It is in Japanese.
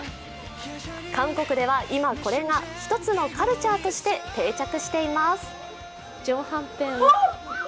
韓国では今、これが１つのカルチャーとして定着しています。